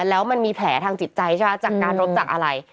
แล้วมันมีแผลทางจิตใจใช่ไหมจากการรบจากอะไร